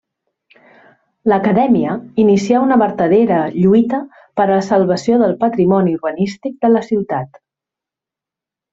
L’Acadèmia inicià una vertadera lluita per a la salvació del patrimoni urbanístic de la ciutat.